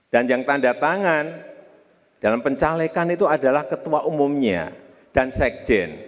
dan yang tanda tangan dalam pencalekan itu adalah ketua umumnya dan sekjen